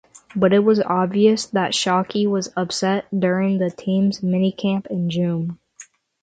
But it was obvious that Shockey was upset during the team's minicamp in June.